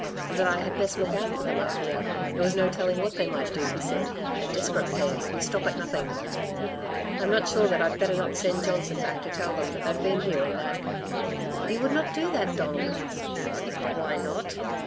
and that I had best look out for them up here. There was no telling what they might do, he said a desperate pair would stop at nothing. I am not sure that I'd better not send Johnson back to tell him that they've been here and that " "You would not do that, Donald?" "Why not?"